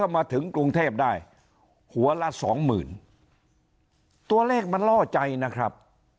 มาถึงกรุงเทพได้หัวละสองหมื่นตัวเลขมันล่อใจนะครับ